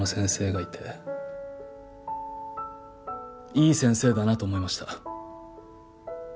いい先生だなと思いました。